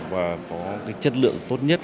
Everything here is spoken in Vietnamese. và có cái chất lượng tốt nhất